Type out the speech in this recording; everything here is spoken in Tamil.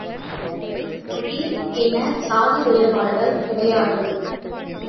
எனக்கு மொழி, இன சாதி வேறுபாடுகள் கிடையாது.